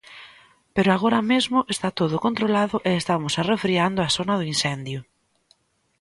Pero agora mesmo está todo controlado e estamos arrefriando a zona do incendio.